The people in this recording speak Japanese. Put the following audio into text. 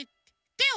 てを？